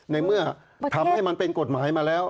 ในเมื่อทำให้มันเป็นกฎหมายมาแล้ว